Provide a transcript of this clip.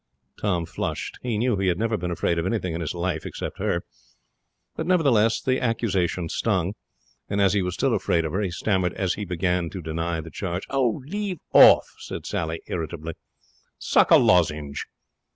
Tom flushed. He knew he had never been afraid of anything in his life, except her; but nevertheless the accusation stung. And as he was still afraid of her he stammered as he began to deny the charge. 'Oh, leave off!' said Sally, irritably. 'Suck a lozenge.'